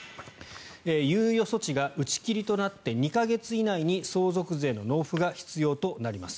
猶予措置が打ち切りとなって２か月以内に相続税の納付が必要となります。